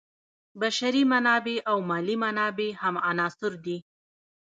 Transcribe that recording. بشري منابع او مالي منابع هم عناصر دي.